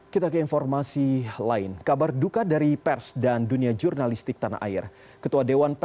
kita ke informasi lain